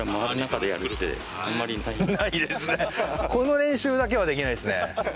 この練習だけはできないですね。